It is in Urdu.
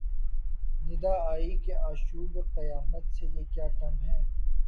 ندا آئی کہ آشوب قیامت سے یہ کیا کم ہے